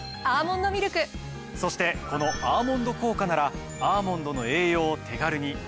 そしてこの「アーモンド効果」ならアーモンドの栄養を手軽においしく取れるんです。